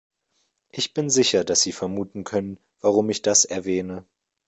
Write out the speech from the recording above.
Ich bin sicher, dass sie vermuten können, warum ich das erwähne.